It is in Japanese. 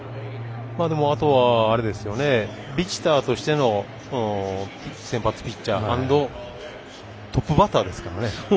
あとはビジターとしての先発ピッチャーアンドトップバッターですからね。